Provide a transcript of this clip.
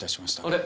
あれ？